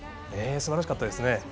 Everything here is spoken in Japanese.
すばらしかったですね。